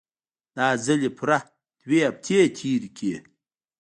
دا ځل يې پوره دوې هفتې تېرې کړې.